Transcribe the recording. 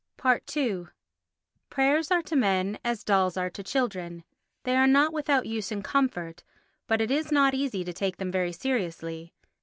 ii Prayers are to men as dolls are to children. They are not without use and comfort, but it is not easy to take them very seriously.